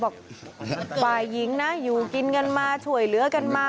บอกฝ่ายหญิงนะอยู่กินกันมาช่วยเหลือกันมา